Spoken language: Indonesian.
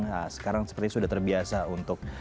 nah sekarang seperti sudah terbiasa untuk